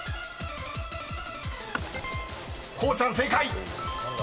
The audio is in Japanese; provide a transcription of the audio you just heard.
［こうちゃん正解］